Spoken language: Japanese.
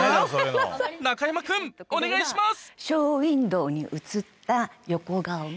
中山君お願いします！